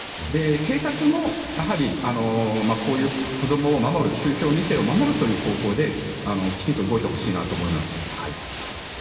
警察もやはりこういう子どもを守る宗教２世を守るという方向できちんと動いてほしいと思います。